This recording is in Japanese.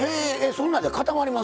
そんなんで固まりますの？